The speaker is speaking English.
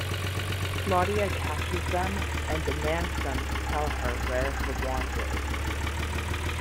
Claudia catches them, and demands them to tell her where her wand is.